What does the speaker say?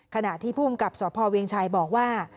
ขณะที่ภูมิกับสพเวียงชัยบอกว่า